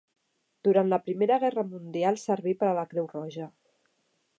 Durant la Primera Guerra Mundial serví per a la Creu Roja.